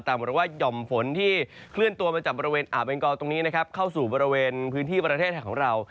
เหมือนกับว่าหย่อมฝนที่เคลื่อนตัวมาจากบริเวณอ่าวเบงกอตรงนี้นะครับเข้าสู่บริเวณพื้นที่ประเทศไทยของเรา